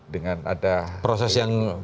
dengan ada proses yang